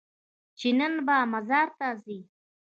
چې نن به مزار ته ځې؟